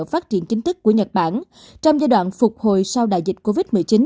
phát triển chính thức của nhật bản trong giai đoạn phục hồi sau đại dịch covid một mươi chín